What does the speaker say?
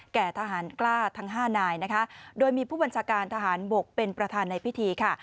ทหารกล้าทั้งห้านายนะคะโดยมีผู้บัญชาการทหารบกเป็นประธานในพิธีค่ะ